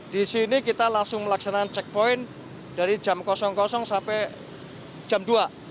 di sini kita langsung melaksanakan checkpoint dari jam sampai jam dua